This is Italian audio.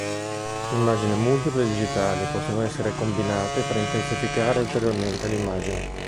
Immagini multiple digitali possono anche essere combinate per intensificare ulteriormente l'immagine.